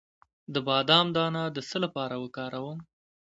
د بادام دانه د څه لپاره وکاروم؟